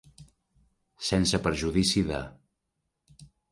Sense perjudici de.